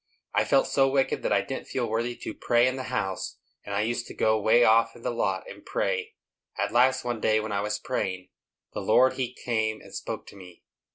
I felt so wicked that I didn't feel worthy to pray in the house, and I used to go way off in the lot and pray. At last, one day, when I was praying, the Lord he came and spoke to me."